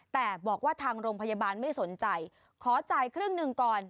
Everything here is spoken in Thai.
แต่บอกว่าทางโรงพยาบาลไม่สนใจขอจ่ายครึ่งหนึ่งก่อน